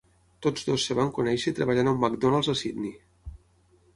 Tots dos es van conèixer treballant a un McDonald's a Sydney.